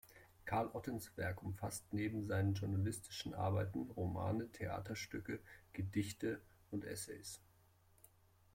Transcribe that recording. Karl Ottens Werk umfasst neben seinen journalistischen Arbeiten Romane, Theaterstücke, Gedichte und Essays.